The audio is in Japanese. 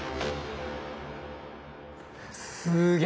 すげえ！